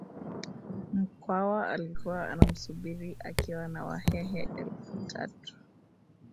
Mkwawa alikuwa anamsubiri akiwa na Wahehe elfu tatu